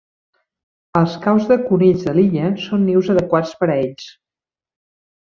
Els caus de conills de l'illa són nius adequats per a ells.